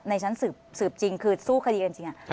ในชั้นสืบจริงคือสู้คดีกันจริง